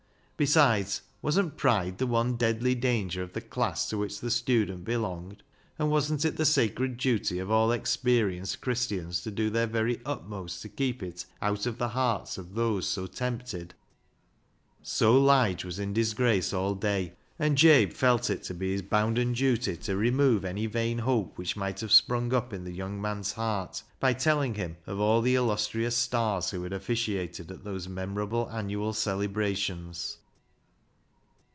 Besides, wasn't pride the one deadly danger of the class to which the student be longed, and wasn't it the sacred duty of all experienced Christians to do their very utmost 28 BECKSIDE LIGHTS to keep it out of the hearts of those so tempted ? So Lige was in disgrace all day, and Jabe felt it to be his bounden duty to remove any vain hope which might have sprung up in the young man's heart by telling him of all the illustrious stars who had officiated at those memorable annual celebrations.